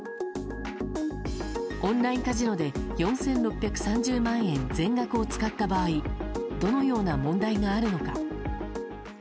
オンラインカジノで４６３０万円全額を使った場合どのような問題があるのか。